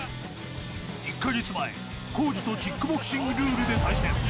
１か月前、皇治とキックボクシングルールで対戦。